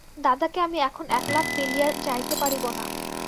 দাদাকে আমি এখন একলা ফেলিয়া যাইতে পারিব না।